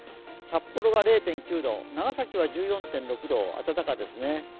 札幌が０．９度長崎は１４．６度、暖かですね。